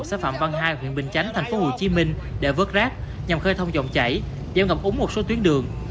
xã phạm văn hai huyện bình chánh tp hcm để vớt rác nhằm khơi thông dòng chảy giảm ngập úng một số tuyến đường